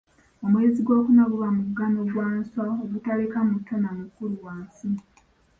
Omwezi gwokuna guba mugano gwa nswa ogutaleka muto na mukulu wansi.